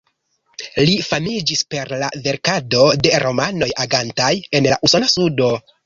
Li famiĝis per la verkado de romanoj agantaj en la usona sudo.